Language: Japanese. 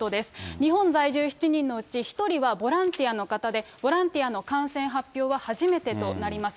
日本在住７人のうち、１人はボランティアの方で、ボランティアの感染発表は初めてとなります。